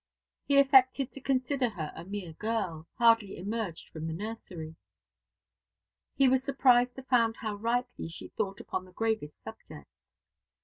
He affected to consider her a mere girl, hardly emerged from the nursery. He was surprised to find how rightly she thought upon the gravest subjects.